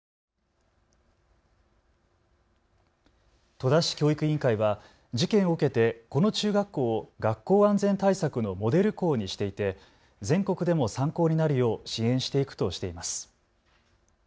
戸田市教育委員会は事件を受けてこの中学校を学校安全対策のモデル校にしていて全国でも参考になるよう支援していくとしています。